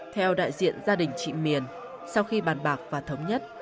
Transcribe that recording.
theo đại diện gia đình chị miền sau khi bàn bạc và thống nhất